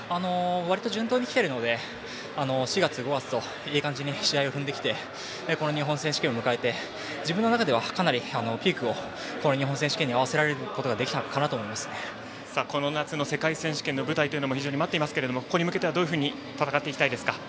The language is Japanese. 順当にきているので４月、５月といい感じに試合を踏んできて日本選手権を迎えて自分の中ではピークを日本選手権に合わせることができたかなとこの夏の世界選手権の舞台も待っていますが、どのように戦っていきたいですか？